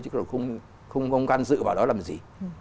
chứ không gắn dự vào đó làm gì